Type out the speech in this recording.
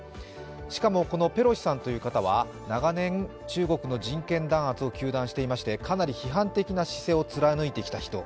しかもこのペロシさんという方は長年中国の人権弾圧を批判していまして、かなり批判的な姿勢を貫いてきた人。